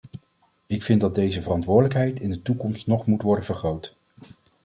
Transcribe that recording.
Ik vind dat deze verantwoordelijkheid in de toekomst nog moet worden vergroot.